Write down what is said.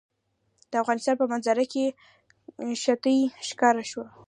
د افغانستان په منظره کې ښتې ښکاره ده.